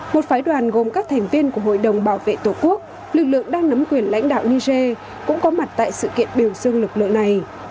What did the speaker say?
một phái đoàn gồm các thành viên của hội đồng bảo vệ tổ quốc lực lượng đang nắm quyền lãnh đạo niger cũng có mặt tại sự kiện biểu dương lực lượng này